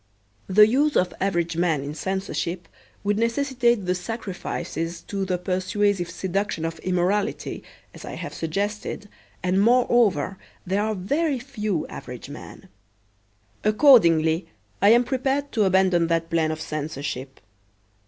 The use of average men in censorship would necessitate sacrifices to the persuasive seduction of immorality, as I have suggested, and moreover there are very few average men. Accordingly, I am prepared to abandon that plan of censorship.